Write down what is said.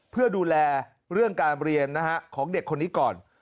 เพื่อดูแลเรื่องการเรียนของเด็กคนนี้ก่อน